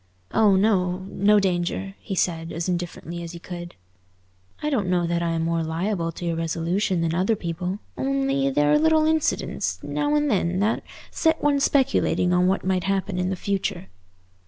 "Oh no, no danger," he said as indifferently as he could. "I don't know that I am more liable to irresolution than other people; only there are little incidents now and then that set one speculating on what might happen in the future."